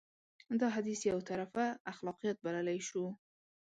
دا حديث يو طرفه اخلاقيات بللی شو.